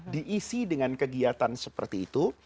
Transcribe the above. diisi dengan kegiatan seperti itu